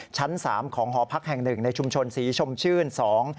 ชั้น๓ของหอพักแห่ง๑ในชุมชนศรีชมชื่น